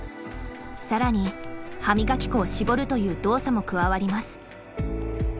更に歯磨き粉を絞るという動作も加わります。